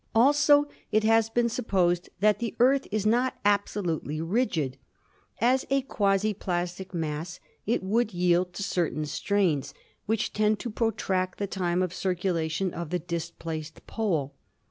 Also it has been supposed that the Earth is not abso lutely rigid. As a quasi plastic mass it would yield to cer tain strains which tend to protract the time of circulation of the displaced pole.